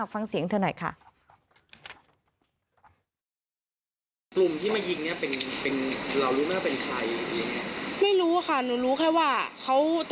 ฟังเสียงเธอหน่อยค่ะ